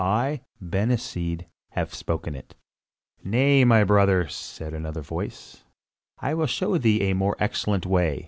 I, Ben Hesed, have spoken it." "Nay, my brother," said another voice, "I will show thee a more excellent way.